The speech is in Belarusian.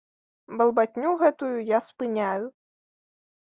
Балбатню гэтую я спыняю.